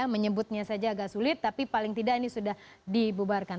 menyebutnya saja agak sulit tapi paling tidak ini sudah dibubarkan